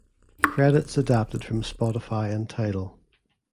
Credits adapted from Spotify and Tidal.